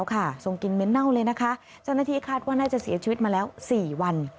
ว่าน่าจะเสียชีวิตมาแล้ว๔วัน